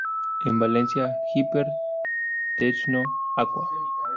En Valencia, Hyper Techno Aqua.